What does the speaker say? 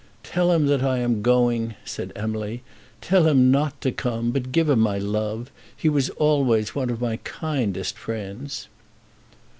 "Tell him that I am going," said Emily. "Tell him not to come; but give him my love. He was always one of my kindest friends."